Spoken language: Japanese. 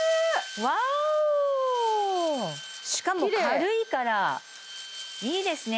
ワオーしかも軽いからいいですね